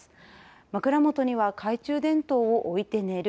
枕元には懐中電灯を置いて寝る。